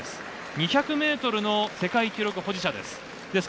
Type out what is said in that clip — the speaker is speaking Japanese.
２００ｍの世界記録保持者です。